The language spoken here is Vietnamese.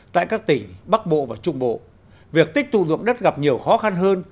tại các tỉnh bắc bộ và trung bộ việc tích tụ dụng đất gặp nhiều khó khăn hơn